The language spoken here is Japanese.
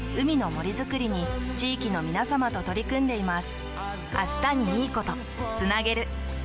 づくりに地域のみなさまと取り組んでいます。